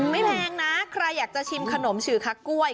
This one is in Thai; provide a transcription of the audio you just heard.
แพงนะใครอยากจะชิมขนมฉือคักกล้วย